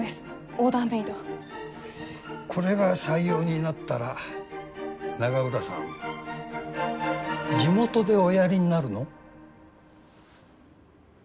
これが採用になったら永浦さん地元でおやりになるの？